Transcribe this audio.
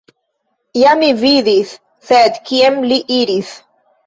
Ja, mi vidis, sed kien li iris?